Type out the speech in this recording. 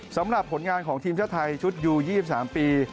สำหรับผลงานของทีมชาติไทยชุดยู๒๓ปี